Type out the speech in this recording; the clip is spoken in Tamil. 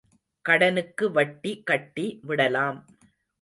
கடனுக்கு வட்டி கட்டி விடலாம்.